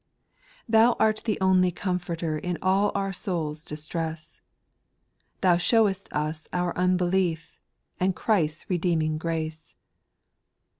3. Thou art the only Comforter In all our souPs distress ; Thou showest us our unbelief, And Christ's redeeming grace.